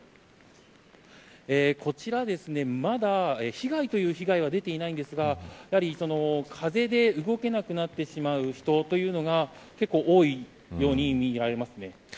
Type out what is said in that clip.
こちら、まだ被害という被害は出ていないんですが風で動けなくなってしまう人というのが結構多いように見受けられます。